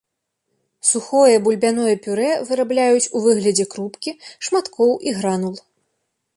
Сухое бульбяное пюрэ вырабляюць у выглядзе крупкі, шматкоў і гранул.